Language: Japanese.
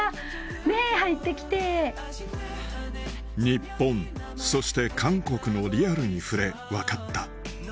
日本そして韓国のリアルに触れ分かった